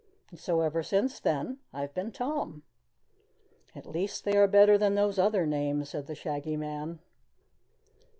And so ever since then I have been Tom." "At least they are better than those other names," said the Shaggy Man.